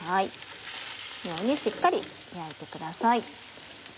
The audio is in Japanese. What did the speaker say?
このようにしっかり焼いてください。